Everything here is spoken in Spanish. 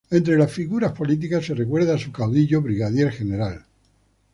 Entre las figuras políticas se recuerda a su caudillo, Brigadier Gral.